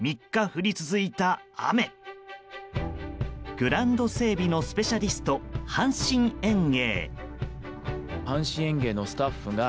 グラウンド整備のスペシャリスト、阪神園芸。